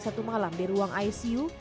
satu malam di ruang icu